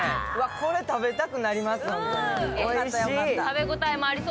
これ、食べたくなります、ホントに。